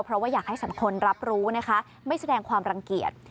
เพราะว่าอยากให้สังคมรับรู้นะคะไม่แสดงความรังเกียจ